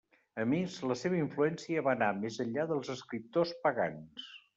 A més, la seva influència va anar més enllà dels escriptors pagans.